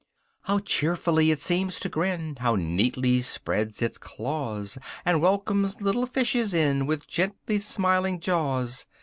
"How cheerfully it seems to grin! How neatly spreads its claws! And welcomes little fishes in With gently smiling jaws!"